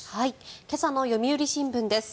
今朝の読売新聞です。